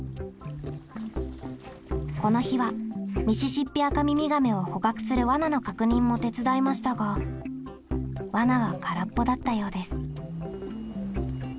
この日はミシシッピアカミミガメを捕獲する罠の確認も手伝いましたが罠は空っぽだったようです。